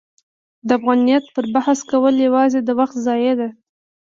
د افغانیت پر بحث کول یوازې د وخت ضایع ده.